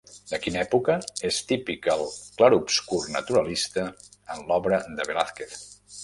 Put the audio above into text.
De quina època és típic el clarobscur naturalista en l'obra de Velázquez?